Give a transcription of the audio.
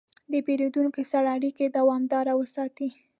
د پیرودونکو سره اړیکه دوامداره وساتئ.